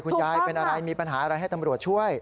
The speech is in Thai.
คุณยายเป็นอะไรมีปัญหาอะไรให้ตำรวจช่วย